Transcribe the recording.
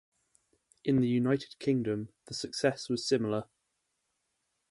In the United Kingdom, the success was similar.